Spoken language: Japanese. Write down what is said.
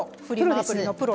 アプリのプロ。